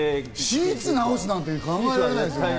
シーツ直すなんて考えられない。